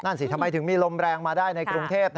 สิทำไมถึงมีลมแรงมาได้ในกรุงเทพ